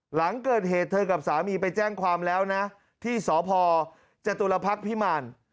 หลังเกิดเหตุเธอกับสามีไปแจ้งความแล้วนะที่สพจตุลพักษ์พิมาร